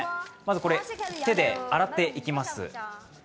これ、手で洗っていきます。